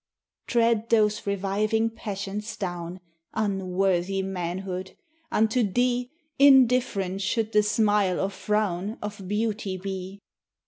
Tread those reviving passions down, Unworthy manhood! unto thee 30 Indifferent should the smile or frown Of beauty be.